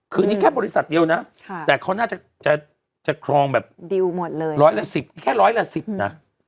คืนนี้แค่บริษัทเดียวนะแต่เขาน่าจะครองแบบรายละแค่๑๐๐ละ๑๐